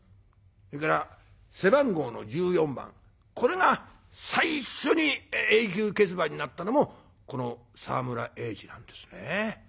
それから背番号の１４番これが最初に永久欠番になったのもこの沢村栄治なんですね。